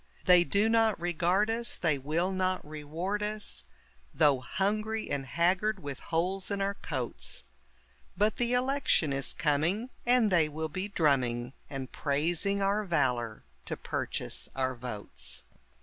They do not regard us, they will not reward us, Though hungry and haggard with holes in our coats; But the election is coming and they will be drumming And praising our valor to purchase our votes.